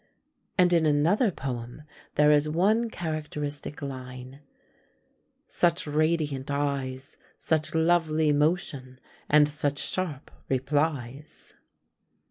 And in another poem there is one characteristic line: such radiant eyes, Such lovely motion, and such sharp replies.